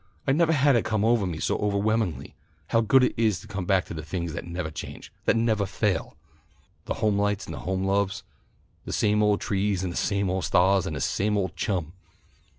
"I nevah had it come ovah me so overwhelmingly, how good it is to come back to the things that nevah change that nevah fail! The home lights and the home loves, the same old trees and the same old sta'hs and the same old chum!"